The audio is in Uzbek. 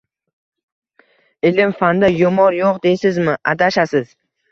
Ilm-fanda yumor yo‘q deysizmi? Adashasiz!